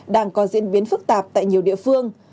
đang có diễn biến phức tạp tại nhiều địa phương